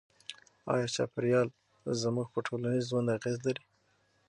آیا چاپیریال زموږ په ټولنیز ژوند اغېز لري؟